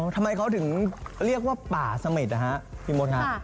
ทำไมเขาถึงเรียกว่าป่าสมิดนะฮะพี่มดครับ